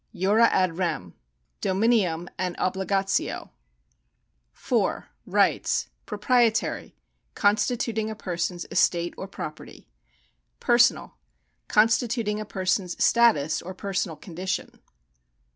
Jura ad rem. Dominium and ohligatio. rProprietary — constituting a person's estate or property. IV. Rights ! Personal — constituting a person's status or personal condi [ tion.